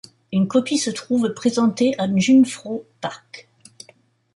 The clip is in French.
Une copie se trouve présentée à Jungfrau Park.